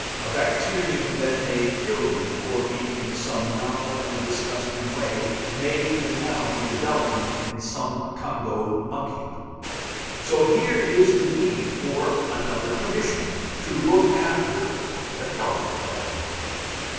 A bacterium that may kill you or me in some novel and disgusting way may even now be developing in some Congo muck heap. So here is the need for another Commission to look after the Health of Africa.